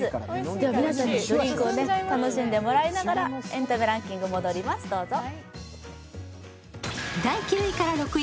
皆さんにドリンクを楽しんでもらいながら、エンタメランキング戻ります、どうぞ。